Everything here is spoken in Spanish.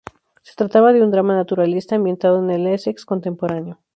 Se trataba de un drama naturalista ambientado en el Essex contemporáneo.